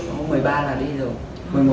hôm một mươi ba là đi rồi